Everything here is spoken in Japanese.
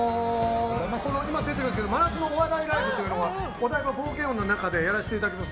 今出てるんですけど真夏のお笑いライブというのをお台場冒険王の中でやらせていただきます。